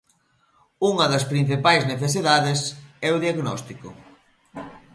Unha das principais necesidades é o diagnóstico.